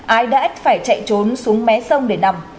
ái đã ít phải chạy trốn xuống mé sông để nằm